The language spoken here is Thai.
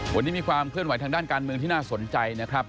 วันนี้มีความเคลื่อนไหทางด้านการเมืองที่น่าสนใจนะครับ